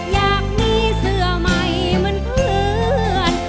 อยากมีเสื้อใหม่เหมือนเพื่อน